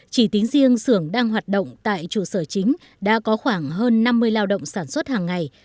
chỉ tính riêng xưởng đang hoạt động tại trụ sở chính đã có khoảng hơn năm mươi lao động sản xuất hàng ngày